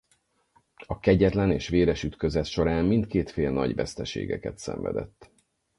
A kegyetlen és véres ütközet során mindkét fél nagy veszteségeket szenvedett.